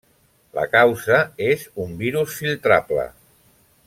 La causa és un virus filtrable.